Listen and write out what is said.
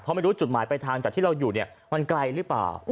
เพราะไม่รู้จุดหมายไปทางจากที่เราอยู่เนี่ยมันไกลหรือเปล่า